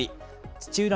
土浦